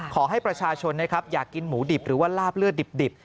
ขอให้ประชาชนนะครับอยากกินหมูดิบหรือว่าลาบเลือดดิบ